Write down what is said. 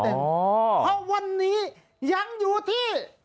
เพราะวันนี้ยังอยู่ที่